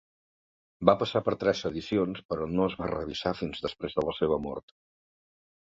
Va passar per tres edicions però no es va revisar fins després de la seva mort.